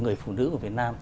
người phụ nữ của việt nam